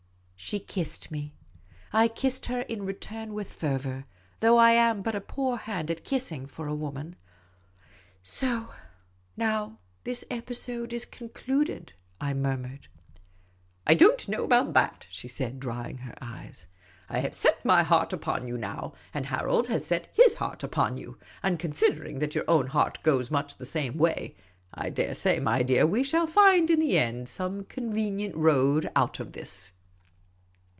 She kissed me. I kissed her in return with fervour, though I am but a poor hand at kissing, for a woman. " So now this episode is concluded," I murmured. " I don't know about that," she said, drying her eyes. " I have set my heart upon you now ; and Karold has set his heart upon j'^ou ; and considering that your own heart goes much the same way, I daresay, my dear, we shall find in the end some convenient road out of it."